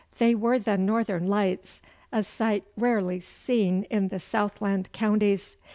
They were the northern lights, a sight rarely seen in the southland counties.